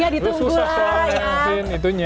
iya ditunggu lah ya